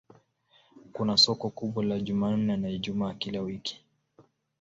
Kuna soko kubwa la Jumanne na Ijumaa kila wiki.